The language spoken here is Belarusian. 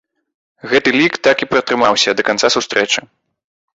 Гэты лік так і пратрымаўся да канца сустрэчы.